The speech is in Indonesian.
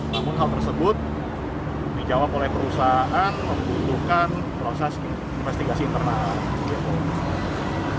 namun hal tersebut dijawab oleh perusahaan membutuhkan proses investigasi internal